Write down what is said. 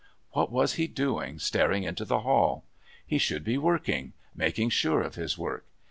What was he doing, staring into the hall? He should be working, making sure of his work.